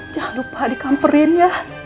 jangan lupa di kamperin ya